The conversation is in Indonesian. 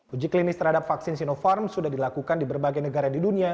uji klinis terhadap vaksin sinopharm sudah dilakukan di berbagai negara di dunia